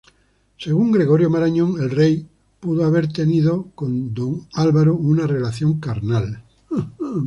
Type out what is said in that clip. Según Gregorio Marañón, el rey pudo haber tenido con don Álvaro una relación carnal.